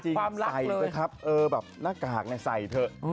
จากความรักเลยใส่นะครับแบบหน้ากากในใส่เถอะ